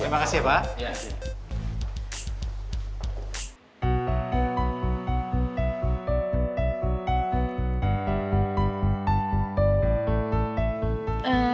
ya kembali sampe pengantin gua kan